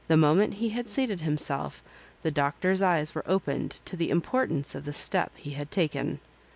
The moment he had seated himself the Doctor's eyes were opened to the importance of the step he had taken.